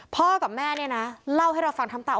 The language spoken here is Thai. พ่อกับแม่เนี่ยนะเล่าให้เราฟังทั้งตา